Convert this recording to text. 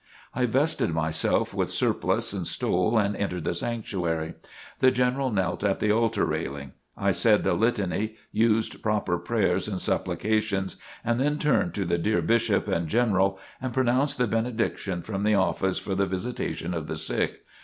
I vested myself with surplice and stole and entered the sanctuary. The General knelt at the altar railing. I said the Litany, used proper prayers and supplications, and then turned to the dear Bishop and General and pronounced the benediction from the office for the visitation of the sick.